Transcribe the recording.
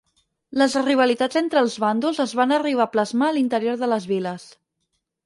Les rivalitats entre els bàndols es van arribar a plasmar a l'interior de les viles.